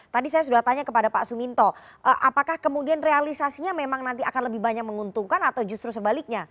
tadi saya sudah tanya kepada pak suminto apakah kemudian realisasinya memang nanti akan lebih banyak menguntungkan atau justru sebaliknya